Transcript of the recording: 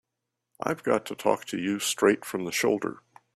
I've got to talk to you straight from the shoulder.